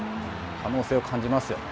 可能性を感じますよね。